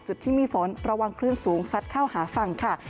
จุดที่มีฝนระวังคลื่นสูงซัดเข้าหาฝั่งค่ะ